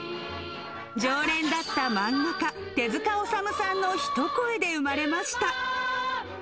常連だった漫画家、手塚治虫さんの一声で生まれました。